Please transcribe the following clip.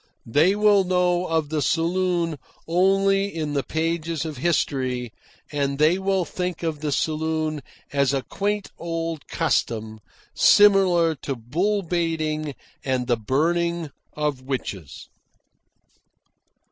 They will know of the saloon only in the pages of history, and they will think of the saloon as a quaint old custom similar to bull baiting and the burning of witches.